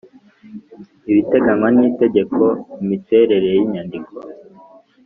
ibiteganywa n Itegeko Imiterere y inyandiko